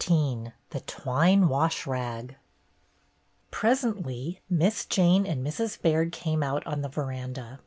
" XV THE TWINE WASH RAG P RESENTLY Miss Jane and Mrs. Baird came out on the veranda.